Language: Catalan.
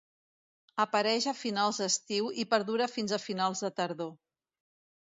Apareix a finals d'estiu i perdura fins a finals de tardor.